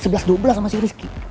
sebelas dubelas sama si rizky